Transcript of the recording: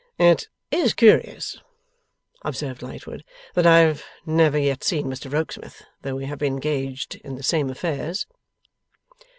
'It is curious,' observed Lightwood, 'that I have never yet seen Mr Rokesmith, though we have been engaged in the same affairs.